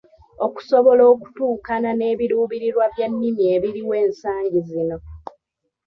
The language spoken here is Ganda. Okusobola okutuukana n'ebiruubirirwa by'ennimi ebiriwo ensangi zino.